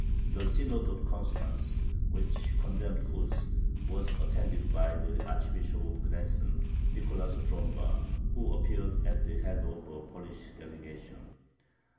The Synod of Constance, which condemned Huss, was attended by the Archbishop of Gnesen, Nicholas Tromba, who appeared at the head of a Polish delegation.